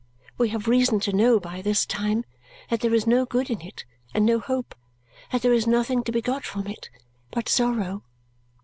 We have reason to know by this time that there is no good in it and no hope, that there is nothing to be got from it but sorrow.